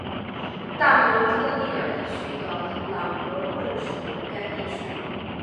大蒙特利尔地区的朗格惠属于该地区。